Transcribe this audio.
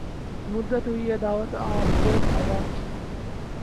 مدت ہوئی ہے دعوت آب و ہوا کیے